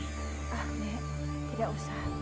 ah bebek tidak usah